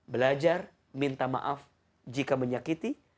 belajar minta maaf jika menyakiti